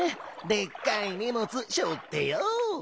でっかいにもつしょってＹＯ。